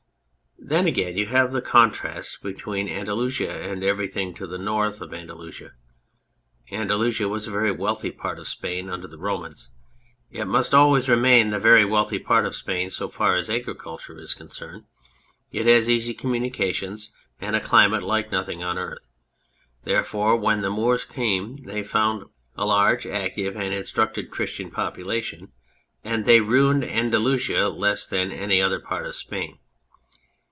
Then, again, you have the contrast between Anda lusia and everything to the north of Andalusia. Andalusia was the very wealthy part of Spain under the Romans. It must always remain the very wealthy part of Spain so far as agriculture is con cerned. It has easy communications and a climate like nothing on .earth. Therefore, when the Moors came there they found a large, active, and instructed Christian population, and they ruined Andalusia less than any other part of Spain.